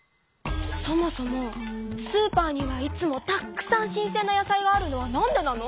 そもそもスーパーにはいつもたくさん新鮮な野菜があるのはなんでなの？